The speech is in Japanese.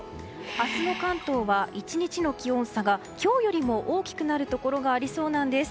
明日の関東は１日の気温差が今日よりも大きくなるところがありそうなんです。